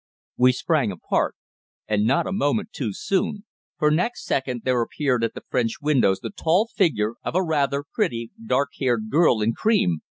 We sprang apart. And not a moment too soon, for next second there appeared at the French windows the tall figure of a rather pretty dark haired girl in cream.